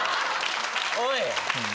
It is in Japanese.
おい！